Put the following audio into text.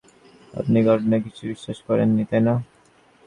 আপনি গল্পটার কিছুই বিশ্বাস করেন নি, তাই না?